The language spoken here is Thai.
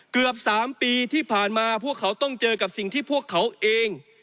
เกือบ๓ปีที่ผ่านมาพวกเขาต้องเจอกับสิ่งที่พวกเขาเอง